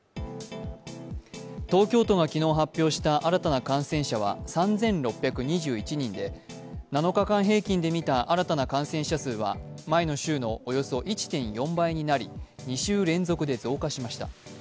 東京都が昨日発表した新たな感染者は３６２１人で、７日間平均で見た新たな感染者数は前の週のおよそ１．４倍になり２週連続で増加しました。